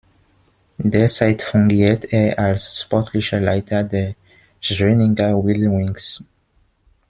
Derzeit fungiert er als sportlicher Leiter der Schwenninger Wild Wings.